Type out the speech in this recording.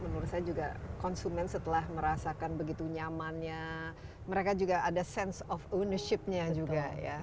menurut saya juga konsumen setelah merasakan begitu nyamannya mereka juga ada sense of ownership nya juga ya